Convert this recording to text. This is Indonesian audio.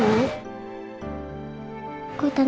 kok tante prusin itu bohong